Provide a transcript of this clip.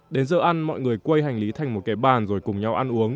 đến giờ ăn mọi người quay hành lý thành một cái bàn rồi cùng nhau